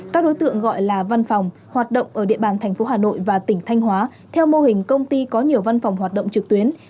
các đối tượng gọi là văn phòng hoạt động ở địa bàn thành phố hà nội và tỉnh thanh hóa theo mô hình công ty có nhiều văn phòng hoạt động trực tuyến